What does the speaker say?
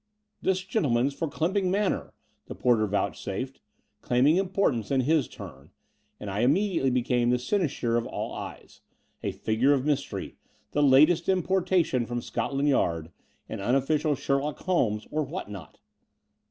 "This gentleman's for Clymping Manor," the porter vouchsafed, claiming importance in his turn : and I immediately became the cynosure of all eyes — Si figure of mystery, the latest importation from Scotland Yard, an unofficial Sherlock Holmes or what not!